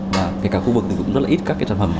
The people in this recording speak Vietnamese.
và cả khu vực cũng rất là ít các sản phẩm